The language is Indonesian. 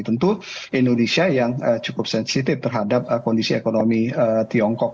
tentu indonesia yang cukup sensitif terhadap kondisi ekonomi tiongkok